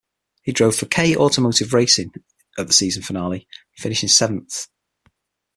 He drove for K Automotive Racing at the season finale, finishing seventh.